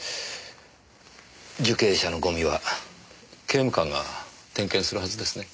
受刑者のゴミは刑務官が点検するはずですね。